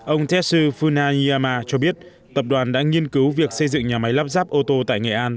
ông tetsu funayama cho biết tập đoàn đã nghiên cứu việc xây dựng nhà máy lắp ráp ô tô tại nghệ an